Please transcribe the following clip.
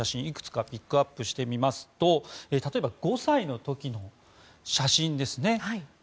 いくつかピックアップしてみますと例えば、５歳の時の写真ですね。